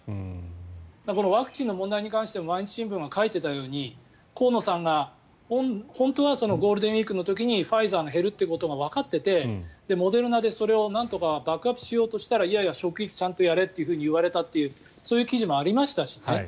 このワクチンの問題に関しても毎日新聞が書いていたように河野さんが本当はゴールデンウィークの時にファイザーが減るということがわかっていてモデルナでそれをなんとかバックアップしようとしたらいやいや、職域をちゃんとやれと言われたというそういう記事もありましたし。